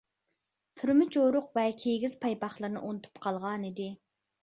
پۈرمە چورۇق ۋە كىگىز پايپاقلىرىنى ئۇنتۇپ قالغانىدى.